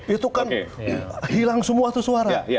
itu kan hilang semua itu suara